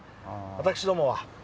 私どもは。